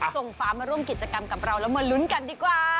ฟ้ามาร่วมกิจกรรมกับเราแล้วมาลุ้นกันดีกว่า